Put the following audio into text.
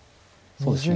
そうですね。